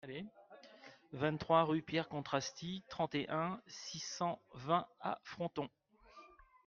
vingt-trois rue Pierre Contrasty, trente et un, six cent vingt à Fronton